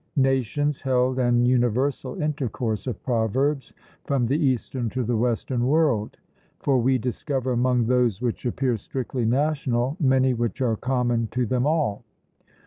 Nations held an universal intercourse of proverbs, from the eastern to the western world; for we discover among those which appear strictly national, many which are common to them all.